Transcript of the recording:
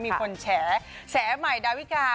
มีคนแฉใหม่ดาวิกา